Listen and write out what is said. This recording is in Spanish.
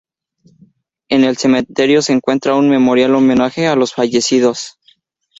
En el cementerio se encuentra un memorial en homenaje a los fallecidos.